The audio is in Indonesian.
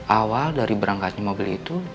awal dari berangkatnya mobil itu